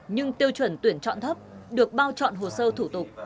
nhưng tiêu chuẩn tuyển chọn thấp được bao chọn hồ sơ thủ tục